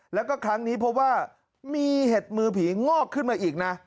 แล้วก็ครั้งนี้พบว่ามีเห็ดมือผีงอกขึ้นมาอีกนะ